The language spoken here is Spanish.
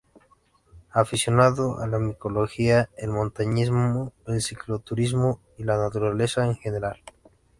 Aficionado a la micología, el montañismo, el cicloturismo y la Naturaleza en general.